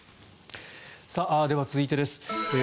では、続いてです。